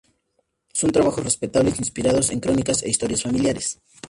Son trabajos respetables inspirados en crónicas e historias familiares.